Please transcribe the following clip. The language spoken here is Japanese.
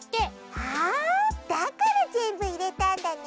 あだからぜんぶいれたんだね。